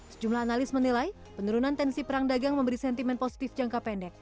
sejumlah analis menilai penurunan tensi perang dagang memberi sentimen positif jangka pendek